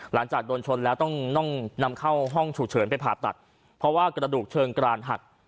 หลังจากโดนชนแล้วต้องต้องนำเข้าห้องฉุกเฉินไปผ่าตัดเพราะว่ากระดูกเชิงกรานหัก